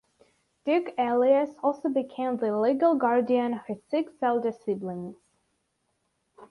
Duke Elias also became the legal guardian of his six elder siblings.